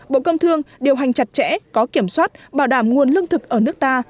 bộ công thương điều hành chặt chẽ có kiểm soát bảo đảm nguồn lương thực ở nước ta